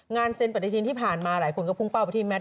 เซ็นปฏิทินที่ผ่านมาหลายคนก็พุ่งเป้าไปที่แมท